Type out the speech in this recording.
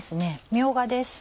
みょうがです。